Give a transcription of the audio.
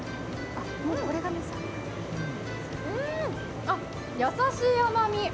うん、優しい甘み。